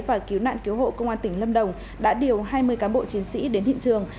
và cứu nạn cứu hộ công an tỉnh lâm đồng đã điều hai mươi cán bộ chiến sĩ đến hiện trường